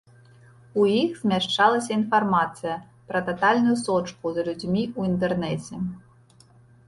У іх змяшчалася інфармацыя пра татальную сочку за людзьмі ў інтэрнэце.